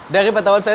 dari penumpukan saya